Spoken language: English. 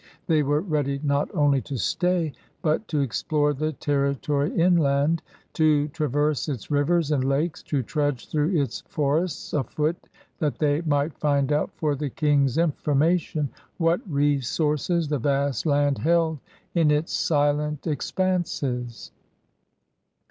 They were ready not cmly to stay but to explore the territory inland, to trava*se its rivers and lakes, to trudge through its forests afoot that they might find out for the King's information what resources the vast land held in its silent expanses.